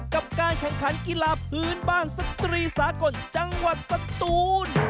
กับการแข่งขันกีฬาพื้นบ้านสตรีสากลจังหวัดสตูน